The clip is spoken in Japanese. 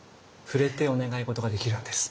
触れてお願い事ができるんです。